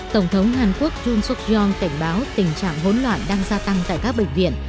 tổng thống hàn quốc jun suk yong cảnh báo tình trạng hỗn loạn đang gia tăng tại các bệnh viện